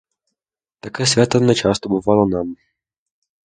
Таке свято не часто бувало нам.